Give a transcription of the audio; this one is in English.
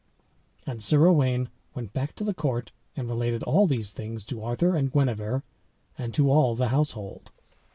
And Sir Owain went back to the court, and related all these things to Arthur and Guenever, and to all the household.